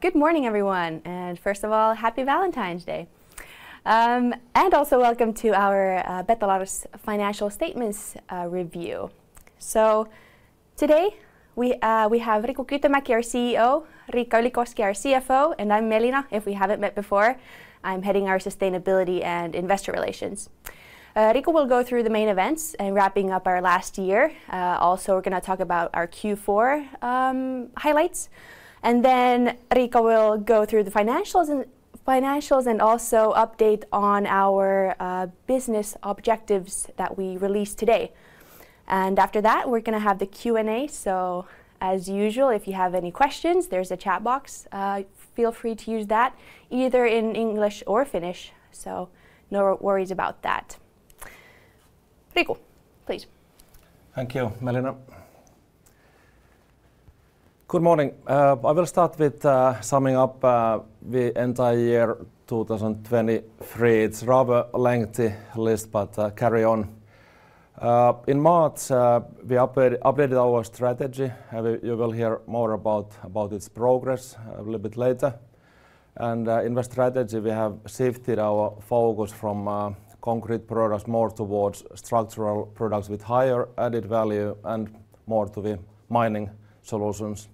Good morning, everyone, and first of all, Happy Valentine's Day! And also welcome to our Betolar's financial statements review. So today we have Riku Kytömäki, our CEO, Riikka Ylikoski, our CFO, and I'm Melina, if we haven't met before. I'm heading our sustainability and investor relations. Riku will go through the main events in wrapping up our last year. Also, we're gonna talk about our Q4 highlights, and then Riku will go through the financials and financials, and also update on our business objectives that we released today. And after that, we're gonna have the Q&A, so as usual, if you have any questions, there's a chat box. Feel free to use that either in English or Finnish, so no worries about that. Riku, please. Thank you, Melina. Good morning. I will start with summing up the entire year 2023. It's rather a lengthy list, but I'll carry on. In March, we updated our strategy. You will hear more about its progress a little bit later. In our strategy, we have shifted our focus from concrete products more towards structural products with higher added value and more to the mining solutions.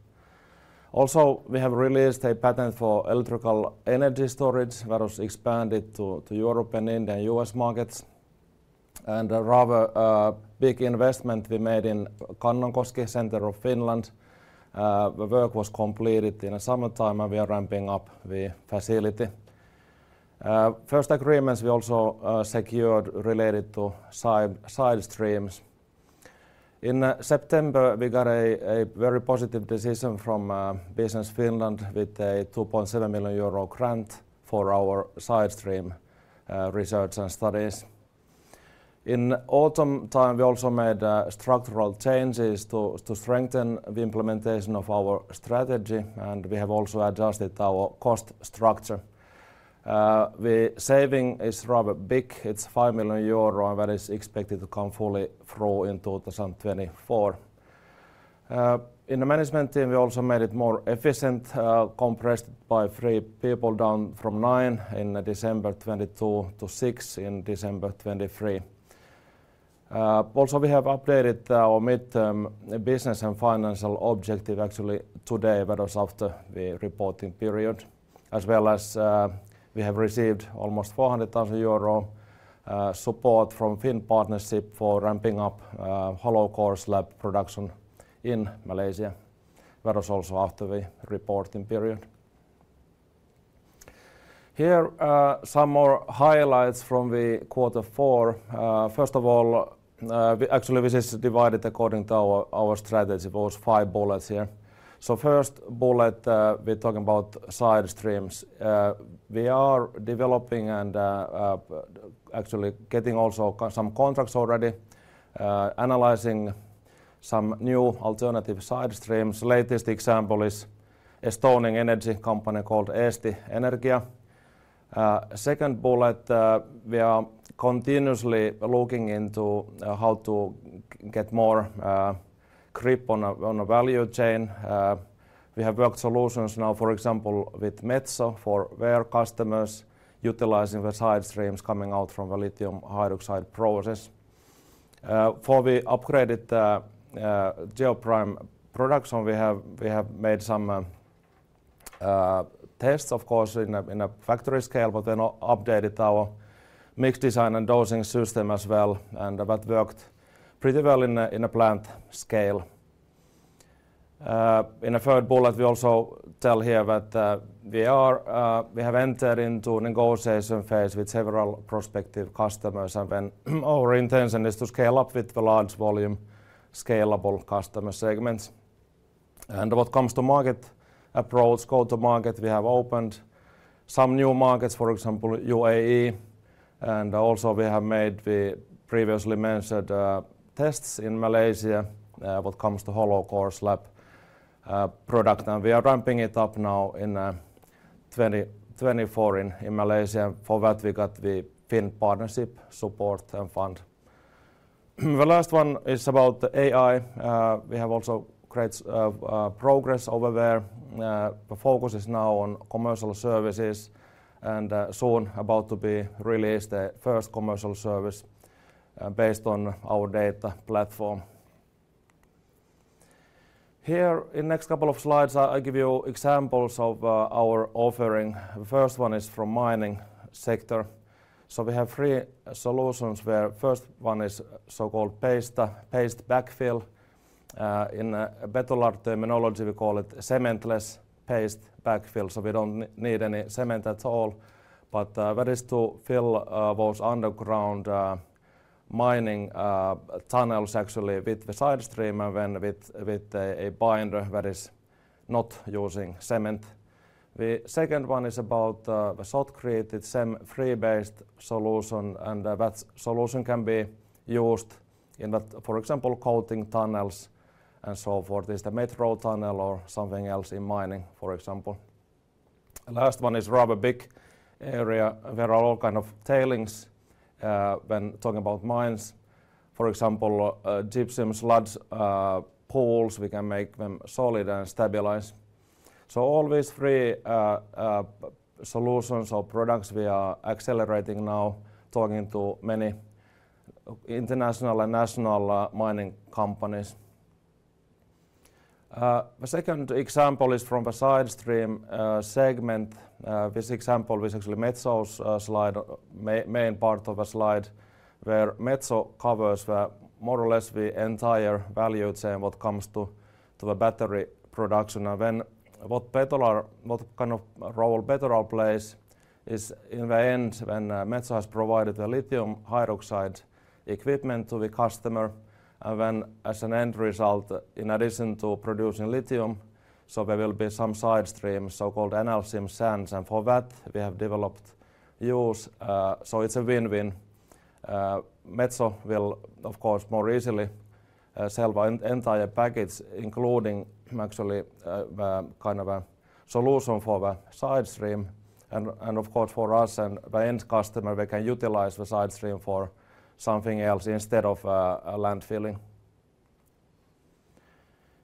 Also, we have released a patent for electrical energy storage that was expanded to Europe and in the U.S. markets. A rather big investment we made in Kannonkoski, center of Finland. The work was completed in the summertime, and we are ramping up the facility. First agreements we also secured related to sidestreams. In September, we got a very positive decision from Business Finland with a 2.7 million euro grant for our sidestream research and studies. In autumn time, we also made structural changes to strengthen the implementation of our strategy, and we have also adjusted our cost structure. The saving is rather big. It's 5 million euro, and that is expected to come fully through in 2024. In the management team, we also made it more efficient, compressed by three people, down from nine in December 2022 to six in December 2023. Also we have updated our mid-term business and financial objective actually today, that is after the reporting period, as well as we have received almost 400,000 euro support from Finnpartnership for ramping up hollow core slab production in Malaysia. That is also after the reporting period. Here, some more highlights from quarter four. First of all, actually, this is divided according to our strategy, those five bullets here. So first bullet, we're talking about sidestreams. We are developing and actually getting also some contracts already, analyzing some new alternative sidestreams. Latest example is Estonian energy company called Eesti Energia. Second bullet, we are continuously looking into how to get more grip on a value chain. We have worked solutions now, for example, with Metso, for their customers, utilizing the sidestreams coming out from the lithium hydroxide process. Before we upgraded the Geoprime production, we have made some tests, of course, in a factory scale, but then updated our mix design and dosing system as well, and that worked pretty well in a plant scale. In the third bullet, we also tell here that we have entered into a negotiation phase with several prospective customers, and then our intention is to scale up with the large volume, scalable customer segments. What comes to market approach, go-to-market, we have opened some new markets, for example, UAE, and also we have made the previously mentioned tests in Malaysia when it comes to hollow core slab product, and we are ramping it up now in 2024 in Malaysia. For that, we got the Finnpartnership support and fund. The last one is about the AI. We have also great progress over there. The focus is now on commercial services, and soon about to be released, the first commercial service based on our data platform. Here, in next couple of slides, I'll give you examples of our offering. The first one is from mining sector. So we have three solutions where first one is so-called paste backfill. In Betolar terminology, we call it cementless paste backfill, so we don't need any cement at all, but that is to fill those underground mining tunnels actually with the sidestream and then with a binder that is not using cement. The second one is about the shotcrete cement-free based solution, and that solution can be used in the, for example, coating tunnels and so forth, is the metro tunnel or something else in mining, for example. The last one is rather big area, where are all kind of tailings, when talking about mines. For example, gypsum sludge, pools, we can make them solid and stabilized. So all these three solutions or products we are accelerating now, talking to many international and national mining companies. The second example is from the side stream segment. This example is actually Metso's slide, main part of a slide, where Metso covers more or less the entire value chain when it comes to the battery production. And then what Betolar, what kind of role Betolar plays is in the end, when Metso has provided the lithium hydroxide equipment to the customer, and then as an end result, in addition to producing lithium, so there will be some side stream, so-called analcime sands, and for that we have developed use. So it's a win-win. Metso will, of course, more easily sell the entire package, including actually the kind of a solution for the side stream. And, of course, for us and the end customer, we can utilize the side stream for something else instead of a landfilling.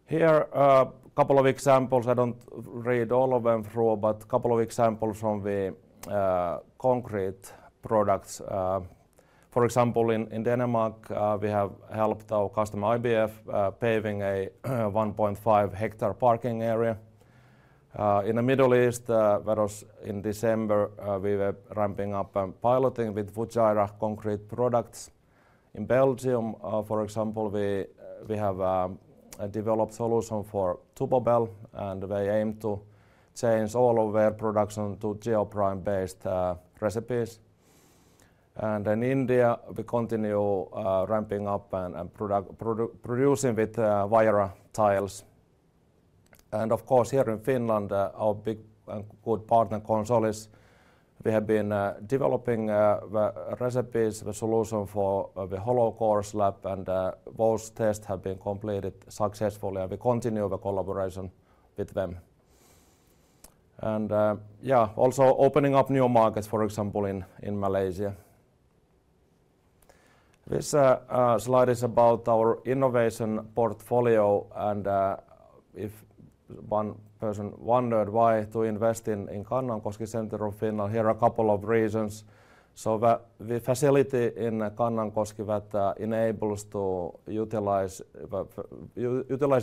Here are a couple of examples. I don't read all of them through, but a couple of examples from the concrete products. For example, in Denmark, we have helped our customer, IBF, paving a 1.5 hectare parking area. In the Middle East, that was in December, we were ramping up and piloting with Fujairah Concrete Products. In Belgium, for example, we have developed solution for Tubobel, and they aim to change all of their production to Geoprime-based recipes. And in India, we continue ramping up and producing with Vyara Tiles. And of course, here in Finland, our big and good partner, Consolis, we have been developing the recipes, the solution for the hollow core slab, and those tests have been completed successfully, and we continue the collaboration with them. And yeah, also opening up new markets, for example, in Malaysia. This slide is about our innovation portfolio, and if one person wondered why to invest in Kannonkoski, center of Finland, here are a couple of reasons. So the facility in Kannonkoski that enables to utilize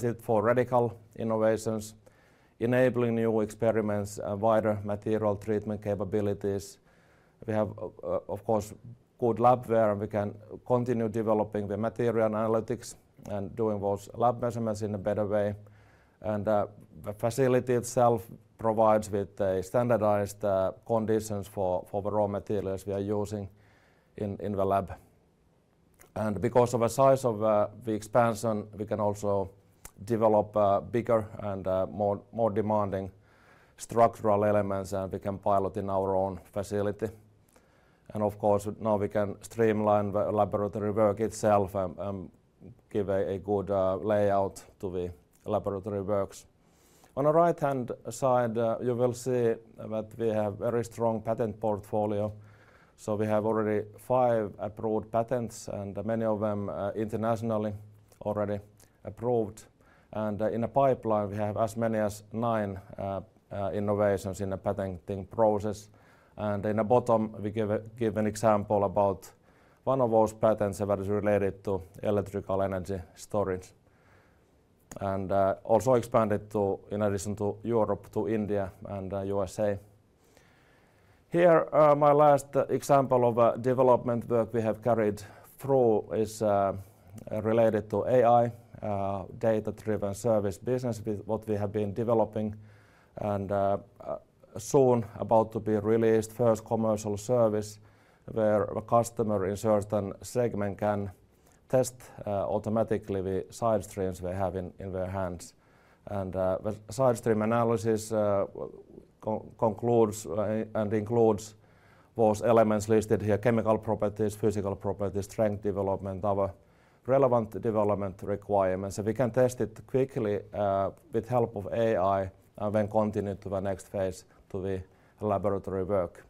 it for radical innovations, enabling new experiments and wider material treatment capabilities. We have, of course, good lab where we can continue developing the material analytics and doing those lab measurements in a better way. And the facility itself provides with the standardized conditions for the raw materials we are using in the lab. And because of the size of the expansion, we can also develop bigger and more demanding structural elements, and we can pilot in our own facility. Of course, now we can streamline the laboratory work itself and give a good layout to the laboratory works. On the right-hand side, you will see that we have a very strong patent portfolio. So we have already five approved patents, and many of them internationally already approved. And in the pipeline, we have as many as nine innovations in the patenting process. And in the bottom, we give an example about one of those patents that is related to electrical energy storage, and also expanded to, in addition to Europe, to India and USA. Here is my last example of a development work we have carried through is related to AI data-driven service business with what we have been developing and soon about to be released first commercial service where a customer in certain segment can test automatically the side streams they have in their hands. The side stream analysis concludes and includes those elements listed here: chemical properties, physical properties, strength development, other relevant development requirements. So we can test it quickly with help of AI and then continue to the next phase, to the laboratory work.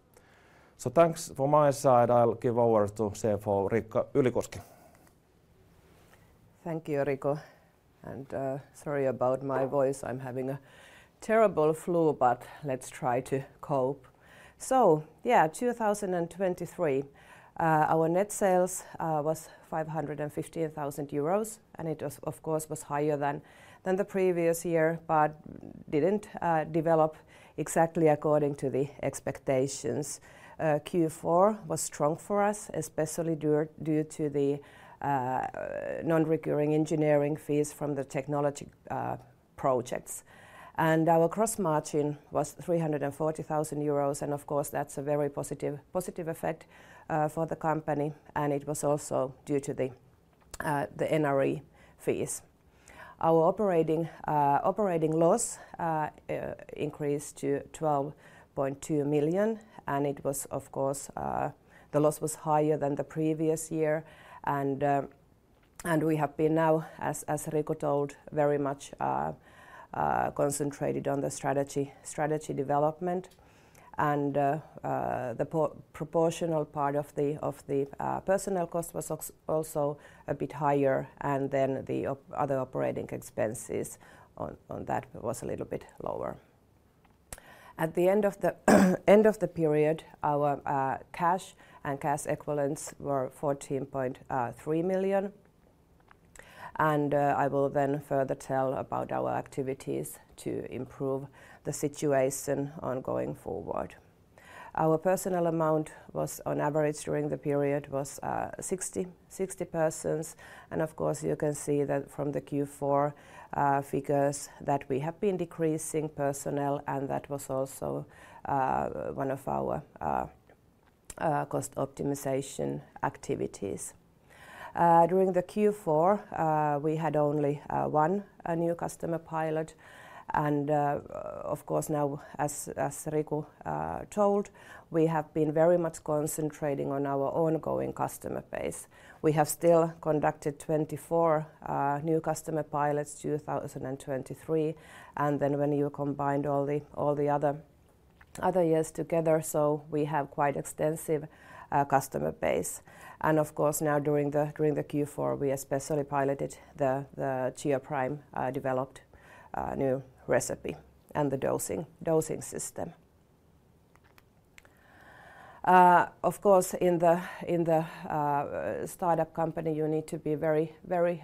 So thanks from my side. I'll give over to CFO Riikka Ylikoski. Thank you, Riku. And sorry about my voice. I'm having a terrible flu, but let's try to cope. So yeah, 2023, our net sales was 550,000 euros, and it was of course was higher than the previous year, but didn't develop exactly according to the expectations. Q4 was strong for us, especially due to the non-recurring engineering fees from the technology projects. And our gross margin was 340,000 euros, and of course that's a very positive effect for the company, and it was also due to the NRE fees. Our operating operating loss increased to 12.2 million, and it was of course the loss was higher than the previous year and... We have been now, as Riku told, very much concentrated on the strategy development. The proportional part of the personnel cost was also a bit higher, and then the other operating expenses on that was a little bit lower. At the end of the period, our cash and cash equivalents were 14.3 million. I will then further tell about our activities to improve the situation going forward. Our personnel amount was, on average, during the period, 60 persons. Of course, you can see that from the Q4 figures, that we have been decreasing personnel, and that was also one of our cost optimization activities. During the Q4, we had only one new customer pilot. Of course, now as Riku told, we have been very much concentrating on our ongoing customer base. We have still conducted 24 new customer pilots, 2023, and then when you combined all the other years together, so we have quite extensive customer base. Of course, now during the Q4, we especially piloted the Geoprime developed new recipe and the dosing system. Of course, in the startup company, you need to be very, very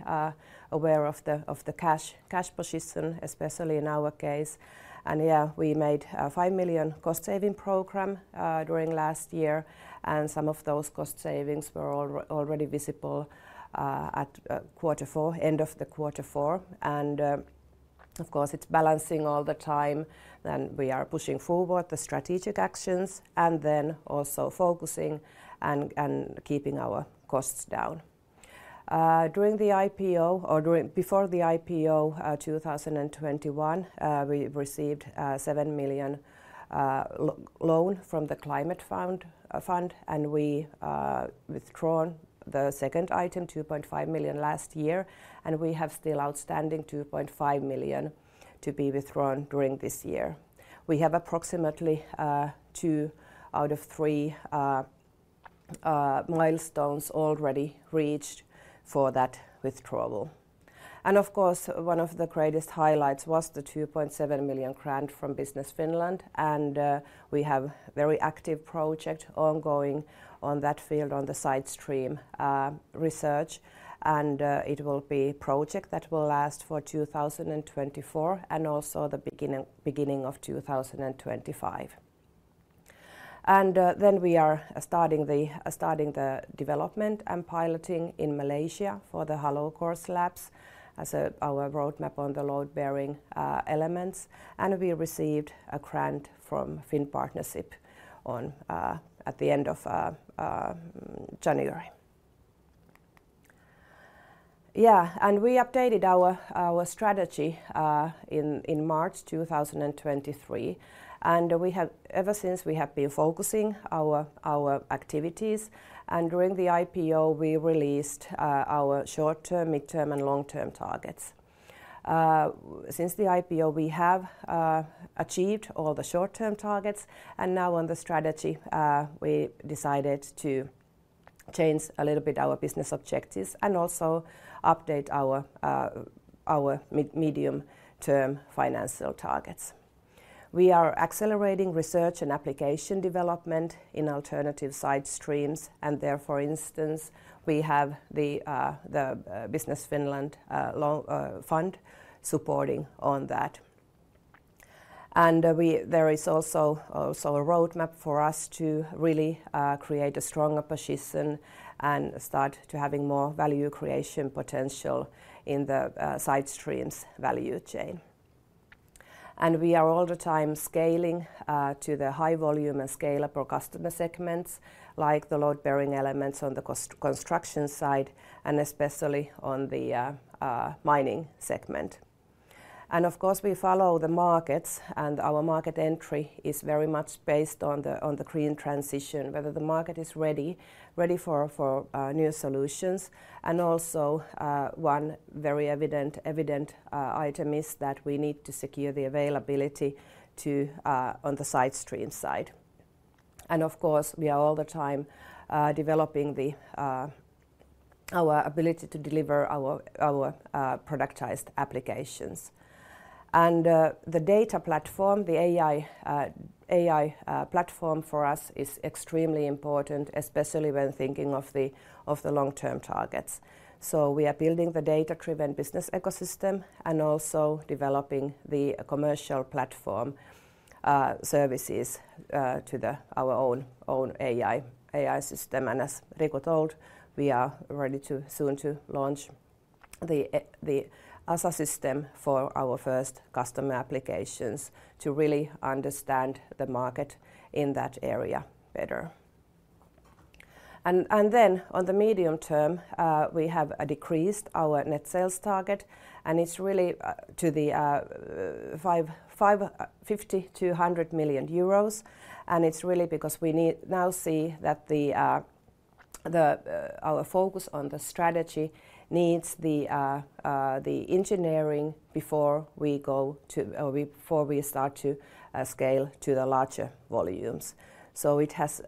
aware of the cash position, especially in our case. Yeah, we made a 5 million cost-saving program during last year, and some of those cost savings were already visible at quarter four, end of quarter four. Of course, it's balancing all the time, then we are pushing forward the strategic actions and then also focusing and keeping our costs down. During the IPO or during... Before the IPO, 2021, we received a 7 million loan from the Climate Fund, and we withdrawn the second item, 2.5 million last year, and we have still outstanding 2.5 million to be withdrawn during this year. We have approximately two out of three milestones already reached for that withdrawal. Of course, one of the greatest highlights was the 2.7 million grant from Business Finland, and we have very active project ongoing on that field, on the side stream research. It will be project that will last for 2024 and also the beginning of 2025. Then we are starting the development and piloting in Malaysia for the hollow core slabs as our roadmap on the load-bearing elements. And we received a grant from Finnpartnership at the end of January. Yeah, and we updated our strategy in March 2023, and ever since, we have been focusing our activities, and during the IPO, we released our short-term, mid-term, and long-term targets. Since the IPO, we have achieved all the short-term targets, and now on the strategy, we decided to change a little bit our business objectives and also update our mid-medium-term financial targets. We are accelerating research and application development in alternative side streams, and there, for instance, we have the Business Finland fund supporting on that. There is also a roadmap for us to really create a stronger position and start to having more value creation potential in the side streams value chain. We are all the time scaling to the high volume and scalable customer segments, like the load-bearing elements on the construction side, and especially on the mining segment. And of course, we follow the markets, and our market entry is very much based on the, on the green transition, whether the market is ready, ready for, for new solutions. And also, one very evident, evident item is that we need to secure the availability to, on the side stream side. And of course, we are all the time developing our ability to deliver our productized applications. And, the data platform, the AI platform for us is extremely important, especially when thinking of the, of the long-term targets. So we are building the data-driven business ecosystem and also developing the commercial platform services to our own AI system. As Riku told, we are ready to soon launch the AI system for our first customer applications to really understand the market in that area better. And then on the medium term, we have decreased our net sales target, and it's really to the 55 million-100 million euros, and it's really because we now see that the our focus on the strategy needs the engineering before we go to, or before we start to scale to the larger volumes. So it has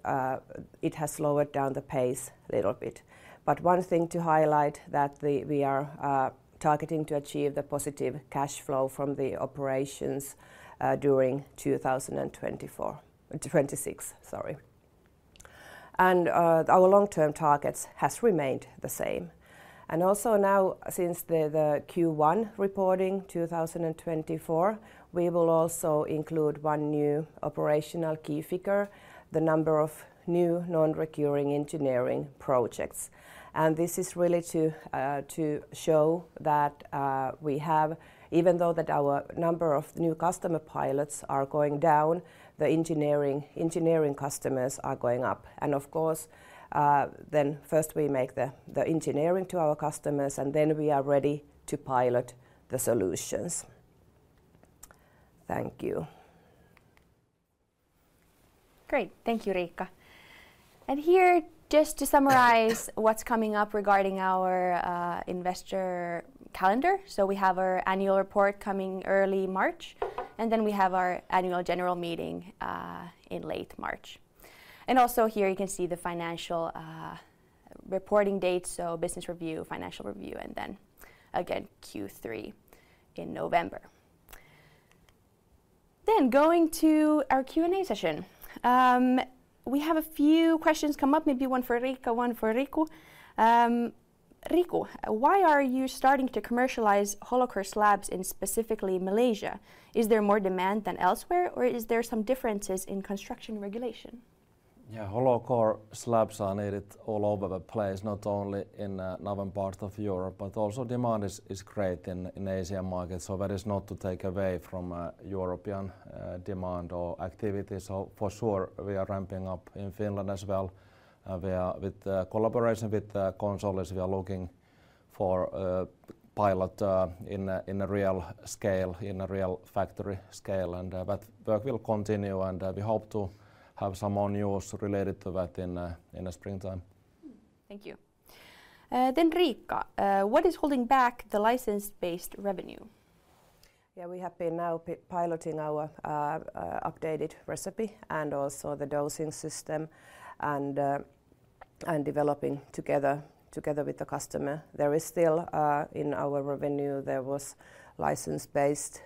it has slowed down the pace a little bit. But one thing to highlight that we are targeting to achieve the positive cash flow from the operations during 2024-2026, sorry. And our long-term targets has remained the same. Also now, since the Q1 reporting, 2024, we will also include one new operational key figure, the number of new non-recurring engineering projects. This is really to show that we have... Even though that our number of new customer pilots are going down, the engineering customers are going up. Of course, then first we make the engineering to our customers, and then we are ready to pilot the solutions. Thank you. Great. Thank you, Riikka. And here, just to summarize what's coming up regarding our investor calendar, so we have our annual report coming early March, and then we have our annual general meeting in late March. And also here you can see the financial reporting date, so business review, financial review, and then again, Q3 in November. Then going to our Q&A session. We have a few questions come up, maybe one for Riikka, one for Riku. Riku, why are you starting to commercialize hollow core slabs in specifically Malaysia? Is there more demand than elsewhere, or is there some differences in construction regulation? Yeah, Hollow core slabs are needed all over the place, not only in northern parts of Europe, but also demand is great in Asian markets. So that is not to take away from European demand or activity. So for sure, we are ramping up in Finland as well. We are with the collaboration with Consolis, we are looking for pilot in a real scale, in a real factory scale, and that work will continue, and we hope to have some more news related to that in the springtime. Thank you. Then, Riikka, what is holding back the license-based revenue? Yeah, we have been now piloting our updated recipe and also the dosing system, and developing together with the customer. There is still in our revenue, there was license-based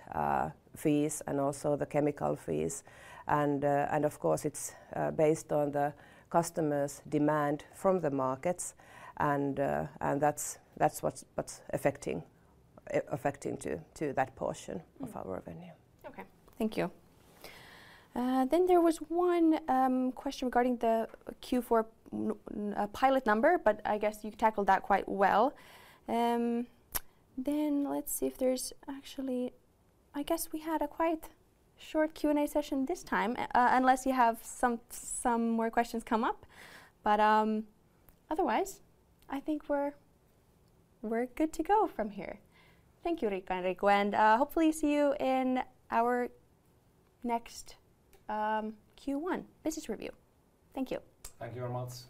fees and also the chemical fees. And of course, it's based on the customer's demand from the markets, and that's what's affecting to that portion- Mm. of our revenue. Okay, thank you. Then there was one question regarding the Q4 number, but I guess you tackled that quite well. Then let's see if there's... Actually, I guess we had a quite short Q&A session this time, unless you have some more questions come up. But otherwise, I think we're good to go from here. Thank you, Riikka and Riku, and hopefully see you in our next Q1 business review. Thank you. Thank you very much!